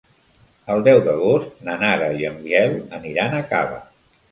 El deu d'agost na Nara i en Biel aniran a Cava.